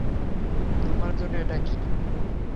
তোমার জন্য এটা কী?